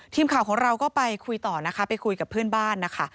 ทีมข่าวของเราก็ไปคุยต่อนะคะไปคุยกับเพื่อนบ้านนะคะ